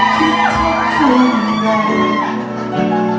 ถ้าคิดถึงคุณไง